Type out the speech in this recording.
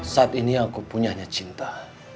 saat ini aku punya hanya cinta